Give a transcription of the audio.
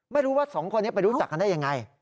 ไม่รู้ว่าสองคนนี้ไปรู้จักกันได้ยังไง